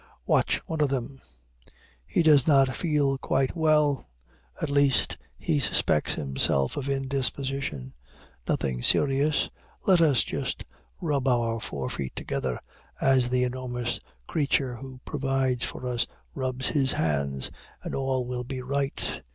Watch one of them. He does not feel quite well, at least, he suspects himself of indisposition. Nothing serious, let us just rub our fore feet together, as the enormous creature who provides for us rubs his hands, and all will be right.